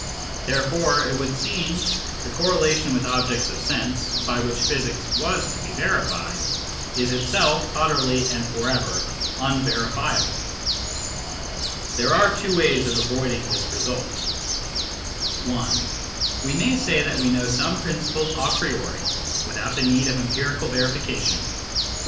Therefore, it would seem, the correlation with objects of sense, by which physics was to be verified, is itself utterly and for ever un verifiable. There are two ways of avoiding this result. (1) We may say that we know some principle a priori, without the need of empirical verification, e.